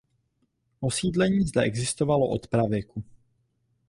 Osídlení zde existovalo od pravěku.